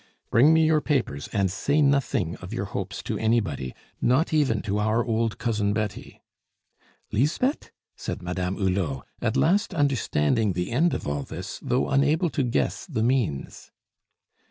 "Bring me your papers, and say nothing of your hopes to anybody, not even to our old Cousin Betty." "Lisbeth?" said Madame Hulot, at last understanding the end of all this, though unable to guess the means.